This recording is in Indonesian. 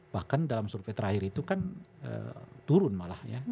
bahkan dalam survei terakhir itu kan turun malah ya